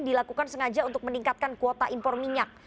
dilakukan sengaja untuk meningkatkan kuota impor minyak